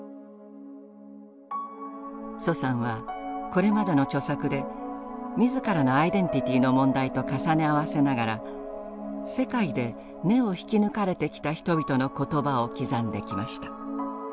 徐さんはこれまでの著作で自らのアイデンティティーの問題と重ね合わせながら世界で「根」を引き抜かれてきた人々の言葉を刻んできました。